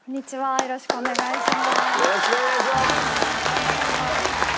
よろしくお願いします。